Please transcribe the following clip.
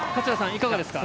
いかがですか？